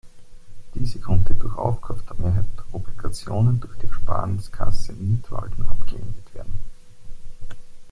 Diese konnte durch Aufkauf der Mehrheit der Obligationen durch die Ersparniskasse Nidwalden abgewendet werden.